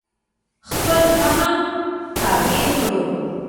خپل فهم تابع کړو.